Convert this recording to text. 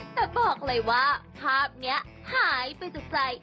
แต่บอกเลยว่าภาพนี้หายไปจากใจ